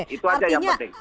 itu aja yang penting